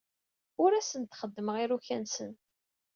Ur asen-d-xeddmeɣ iruka-nsen.